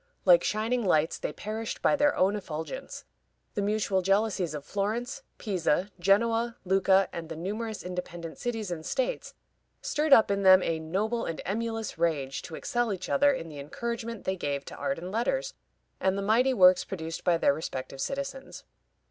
Like shining lights, they perished by their own effulgence. The mutual jealousies of Florence, Pisa, Genoa, Lucca, and the numerous independent cities and states, stirred up in them a "noble and emulous rage" to excel each other in the encouragement they gave to art and letters, and the mighty works produced by their respective citizens.